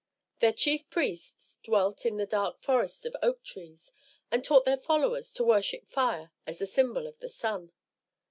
Their chief priests dwelt in the dark forests of oak trees, and taught their followers to worship fire as the symbol of the sun.